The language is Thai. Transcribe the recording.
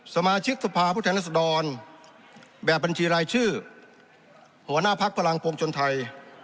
สมาชิกสภาพุทธรัศดรแบบบัญชีรายชื่อหัวหน้าพักพลังปวงชนไทย